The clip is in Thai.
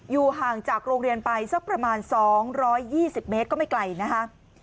ห่างจากโรงเรียนไปสักประมาณ๒๒๐เมตรก็ไม่ไกลนะคะ